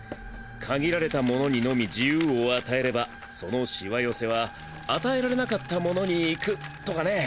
「限られた者にのみ自由を与えればその皺寄せは与えられなかった者に行く」とかね。